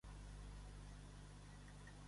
Sé que ara ho penses, de segur.